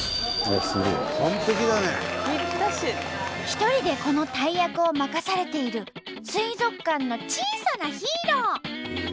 一人でこの大役を任されている水族館の小さなヒーロー！